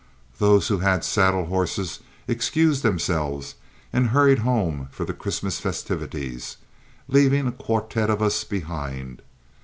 Those who had saddle horses excused themselves and hurried home for the Christmas festivities, leaving a quartette of us behind.